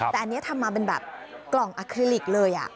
แต่อันนี้ทำมาเป็นแบบกล่องอคลิลิกเลย